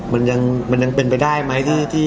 มันยังเป็นไปได้มั้ย